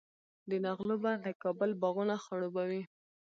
د نغلو بند د کابل باغونه خړوبوي.